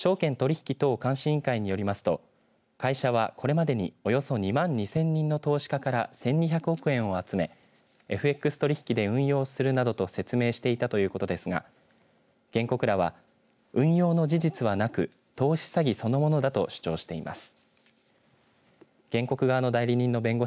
また証券取引等監視委員会によりますと会社はこれまでにおよそ２万２０００人の投資家から１２００億円を集めＦＸ取引で運営するなどと説明していたということですが原告らは運用の事実はなく投資詐欺そのものだと主張しています。